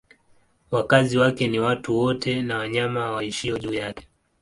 Wakazi wake ni watu wote na wanyama waishio juu yake.